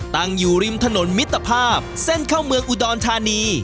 ตั้งอยู่ริมถนนมิตรภาพเส้นเข้าเมืองอุดรธานี